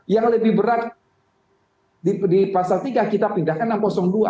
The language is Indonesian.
yang lebih berat di pasal tiga kita pindahkan enam ratus dua